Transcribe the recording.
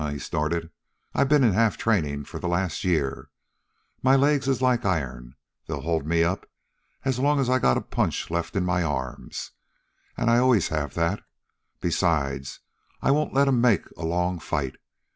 "Huh!" he snorted. "I've been in half trainin' for the last year. My legs is like iron. They'll hold me up as long as I've got a punch left in my arms, and I always have that. Besides, I won't let 'm make a long fight.